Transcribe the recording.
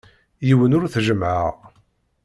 Yiwen ur t-jemmɛeɣ.